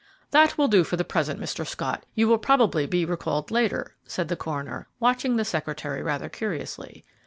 "That will do for the present, Mr. Scott. You will probably be recalled later," said the coroner, watching the secretary rather curiously.